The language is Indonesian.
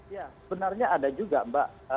ya sebenarnya ada juga mbak